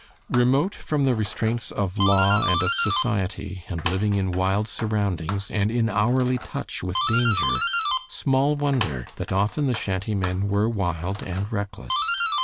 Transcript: Remote from the restraints of law and of society, and living in wild surroundings and in hourly touch with danger, small wonder that often the shanty men were wild and reckless.